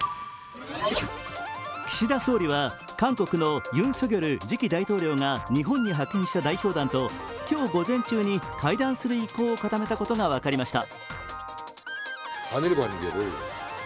岸田総理は韓国のユン・ソギョル次期大統領が日本に派遣した代表団と今日午前中に会談する意向を固めたことが分かりました。